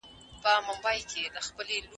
غچ تر مستۍ ډیر ژر له منځه ځي.